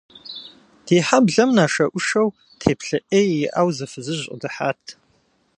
Ди хьэблэм нашэӏушэу, теплъэ ӏей иӏэу, зы фызыжь къыдыхьат.